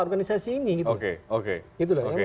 organisasi ini gitu loh